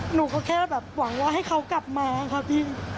หนูก็แค่แบบหวังว่าให้เขากลับมาค่ะพี่